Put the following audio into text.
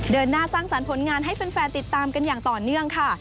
เดินหน้าสร้างสรรค์ผลงานให้แฟนติดตามกันอย่างต่อเนื่องค่ะ